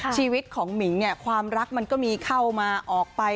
ชีวิตของหมิงเนี่ยความรักมันก็มีเข้ามาออกไป